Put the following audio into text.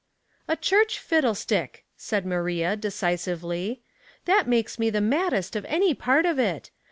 "A church fiddlestick!" said Maria, decisive ly. '' That makes me the maddest of any {. art of it.